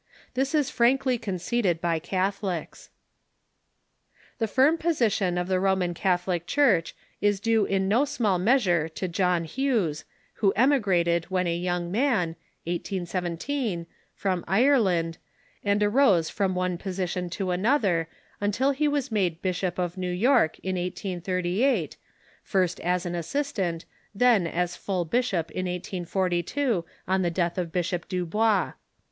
This is frankly conceded by Cath olics. The firm position of the Roman Catholic Church is due in no small measure to John Hughes, who emigrated when a young man (1817) from Ireland, and arose from one position * HuShts"" ^^ another until he was made Bishop of New York in 1838, first as an assistant, then as full bishop in 1842, on the death of Bishop Dubois.